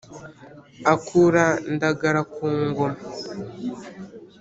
akura ndagara ku ngoma.